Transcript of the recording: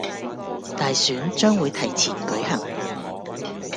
大選將會提前舉行